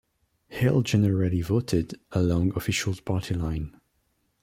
Hill generally voted along official party lines.